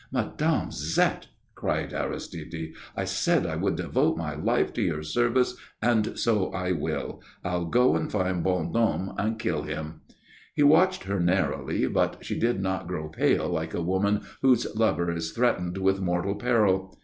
"Mme. Zette," cried Aristide, "I said I would devote my life to your service, and so I will. I'll go and find Bondon and kill him." He watched her narrowly, but she did not grow pale like a woman whose lover is threatened with mortal peril.